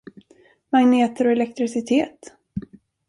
Magneter och elektricitet?